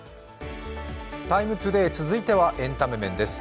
「ＴＩＭＥ，ＴＯＤＡＹ」続いてはエンタメ面です。